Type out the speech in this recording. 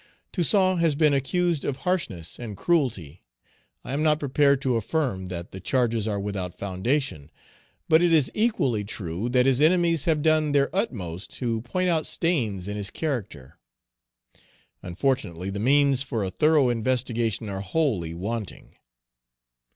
Toussaint has been accused of harshness and cruelty. I am not prepared to affirm that the charges are without foundation. But it is equally true that his enemies have done their utmost to point out stains in his character. Unfortunately, the means for a thorough investigation are wholly wanting.